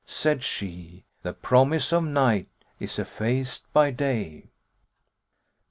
Said she * The promise of Night is effaced by Day.'"